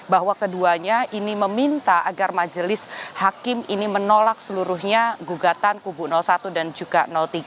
bahwa keduanya ini meminta agar majelis hakim ini menolak seluruhnya gugatan kubu satu dan juga tiga